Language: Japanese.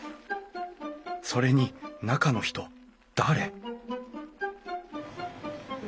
それに中の人誰？